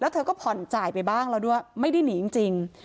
เธอก็ผ่อนจ่ายไปบ้างแล้วด้วยไม่ได้หนีจริง